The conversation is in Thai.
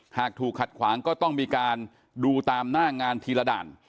หากถูกขัดขวางก็ต้องมีการดูตามหน้างานทีละด่าน